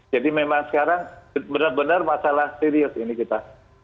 jadi memang sekarang benar benar masalah serius ini kita